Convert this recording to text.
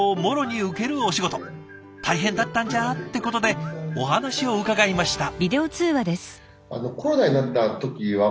「大変だったんじゃ？」ってことでお話を伺いました。